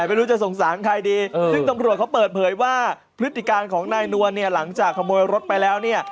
ไม่รู้จะสงสารใครดีซึ่งตำรวจเขาเปิดเผยว่าพฤติการของนายนวลเนี่ยหลังจากขโมยรถไปแล้วเนี่ย